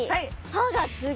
歯が。